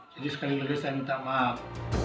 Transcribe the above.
jadi sekali lagi saya minta maaf